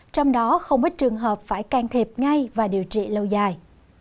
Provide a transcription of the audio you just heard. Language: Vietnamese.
trong đó không ít trường hợp phải can thiệp ngay và điều trị lâu dài